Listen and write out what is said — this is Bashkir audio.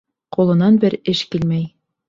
Ҡулынан бер эш килмәй.